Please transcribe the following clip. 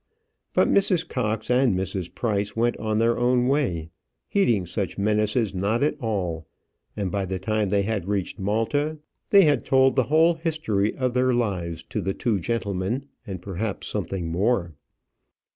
But Mrs. Cox and Mrs. Price went on their own way, heeding such menaces not at all; and by the time they had reached Malta, they had told the whole history of their lives to the two gentlemen and perhaps something more.